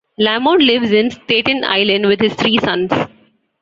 Lamond lives in Staten Island with his three sons.